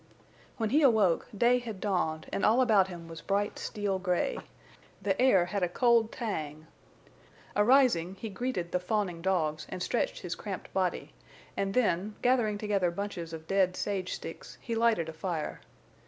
When he awoke, day had dawned and all about him was bright steel gray. The air had a cold tang. Arising, he greeted the fawning dogs and stretched his cramped body, and then, gathering together bunches of dead sage sticks, he lighted a fire.